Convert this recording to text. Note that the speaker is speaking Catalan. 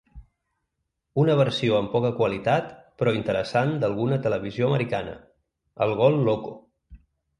Una versió amb poca qualitat però interessant d’alguna televisió americana: el ‘gol loco’!